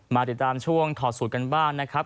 มาติดตามช่วงถอดสูตรกันบ้างนะครับ